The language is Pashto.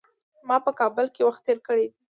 ما په کابل کي وخت تېر کړی دی .